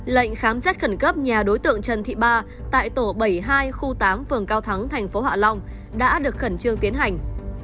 lệnh khám xét khẩn cấp nhà đối tượng trần thị ba tại tổ bảy mươi hai khu tám phường cao thắng thành phố hạ long đã được khẩn trương tiến hành